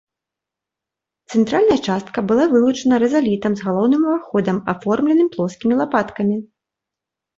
Цэнтральная частка была вылучана рызалітам з галоўным уваходам, аформленым плоскімі лапаткамі.